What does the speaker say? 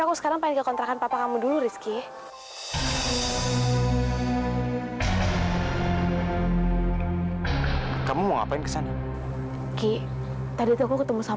aku sekarang pake kontrakan papa kamu dulu rizky kamu mau ngapain kesana ki tadi tuh ketemu sama